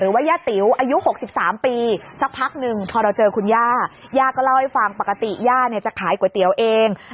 ย่าติ๋วอายุ๖๓ปีสักพักหนึ่งพอเราเจอคุณย่าย่าก็เล่าให้ฟังปกติย่าเนี่ยจะขายก๋วยเตี๋ยวเอง